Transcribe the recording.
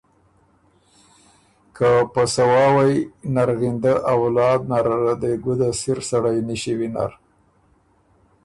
که په سواوئ نرغِندۀ اولاد نره ره دې ګُده سِر سړئ نِݭی وینر